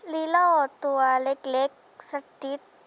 ลีโลตัวเล็กสติ๊ด